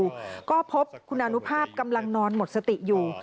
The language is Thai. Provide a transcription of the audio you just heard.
จากนี้คุณอานุภาพกำลังนอนหมดสติไว้อยู่